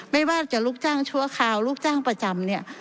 ไม่ว่าจะลูกจ้างชั่วคราวลูกจ้างประจำเนี่ย